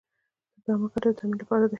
دا د عامه ګټو د تامین لپاره دی.